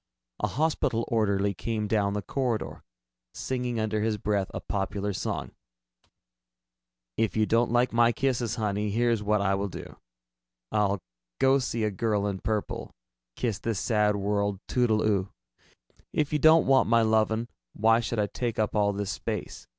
A hospital orderly came down the corridor, singing under his breath a popular song: If you don't like my kisses, honey, Here's what I will do: I'll go see a girl in purple, Kiss this sad world toodle oo. If you don't want my lovin', Why should I take up all this space?